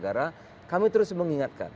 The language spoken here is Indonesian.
karena kami terus mengingatkan